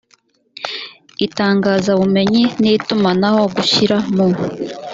itangazabumenyi n itumanaho gushyira mu